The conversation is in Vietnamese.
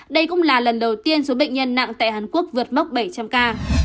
đây cũng là lần đầu tiên số bệnh nhân nặng tại hàn quốc vượt mốc bảy trăm linh ca